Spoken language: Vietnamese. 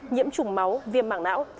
nhiễm chủng máu viêm mảng não